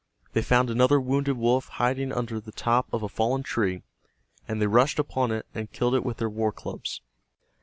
They found another wounded wolf hiding under the top of a fallen tree, and they rushed upon it and killed it with their war clubs.